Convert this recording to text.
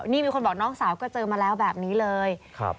นี่มีคนบอกน้องสาวก็เจอมาแล้วแบบนี้เลยครับ